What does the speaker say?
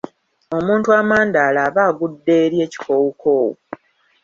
Omuntu amandaala aba agudde eri ekikoowukoowu.